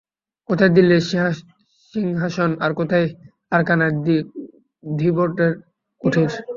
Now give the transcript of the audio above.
কোথায় দিল্লির সিংহাসন আর কোথায় আরাকানের ধীবরের কুটির।